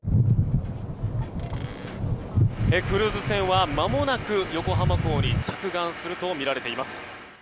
クルーズ船はまもなく横浜港に着岸するとみられています。